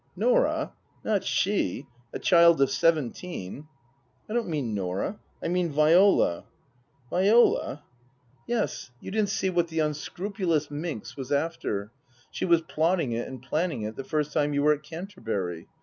" Norah ? Not she ! A child of seventeen !"" I don't mean Norah. I mean Viola." " Viola ?" 166 Tasker Jevons " Yes. You didn't see what the unscrupulous minx was after. She was plotting it and planning it the first time you were at Canterbury.